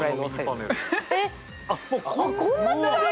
こんな違うんだ！